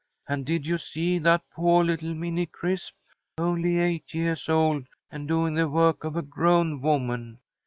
And did you see that poah little Minnie Crisp? Only eight yeahs old, and doing the work of a grown woman.